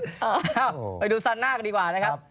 เอ้าไปดูซันน่ากันดีกว่านะครับ